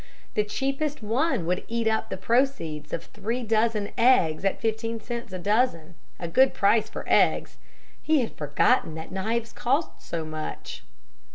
The cheapest one would eat up the proceeds of three dozen eggs at fifteen cents a dozen a good price for eggs! He had forgotten that knives cost so much.